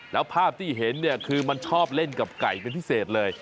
แล้วภาพที่เห็นเนี่ยคือมันชอบเล่นกับไก่เป็นพิเศษเลย